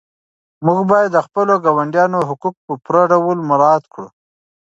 موږ باید د خپلو ګاونډیانو حقوق په پوره ډول مراعات کړو.